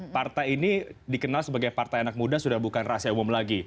partai ini dikenal sebagai partai anak muda sudah bukan rahasia umum lagi